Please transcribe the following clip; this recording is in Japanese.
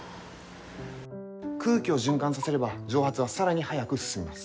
空気を循環させれば蒸発は更に早く進みます。